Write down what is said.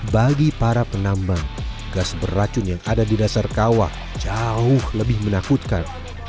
bagi para penambang gas beracun yang ada di dasar kawah jauh lebih menakutkan